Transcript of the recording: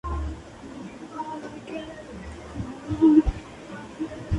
Estudia Derecho en las universidades de Sevilla y Granada.